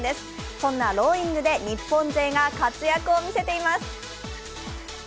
そんなローイングで日本勢が活躍を見せています。